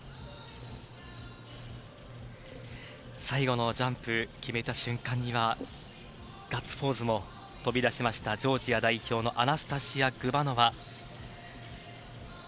最後のジャンプ決めた瞬間にはガッツポーズも飛び出しましたジョージア代表のアナスタシア・グバノワ。